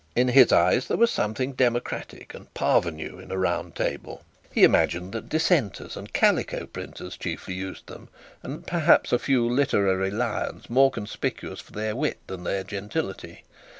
In his eyes there was something democratic and parvenu in a round table. He imagined that dissenters and calico printers chiefly used them, and perhaps a few literary lions more conspicuous for their wit than their gentility.